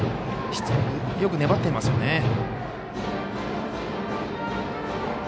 よく粘っていますよね。